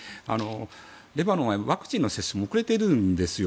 レバノンはワクチンの接種も遅れているんですよ。